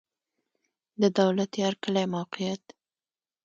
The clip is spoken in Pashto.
د دولتيار کلی موقعیت